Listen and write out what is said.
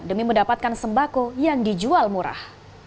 demi mendapatkan sembako yang dijual murah